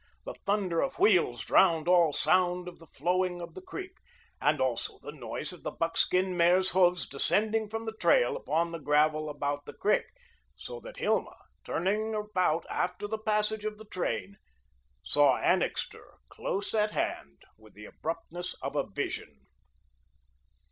The thunder of wheels drowned all sound of the flowing of the creek, and also the noise of the buckskin mare's hoofs descending from the trail upon the gravel about the creek, so that Hilma, turning about after the passage of the train, saw Annixter close at hand, with the abruptness of a vision.